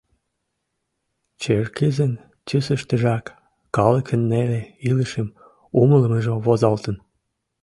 Черкызын тӱсыштыжак калыкын неле илышым умылымыжо возалтын.